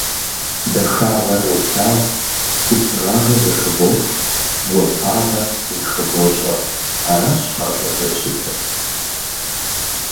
Дахагъэр уолъагъу, губзыгъагъэр зэхыбох, гуапагъэр зэхыбощӏэ. Аращ гъащӏэр зэрыщытыр.